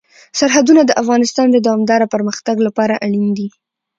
سرحدونه د افغانستان د دوامداره پرمختګ لپاره اړین دي.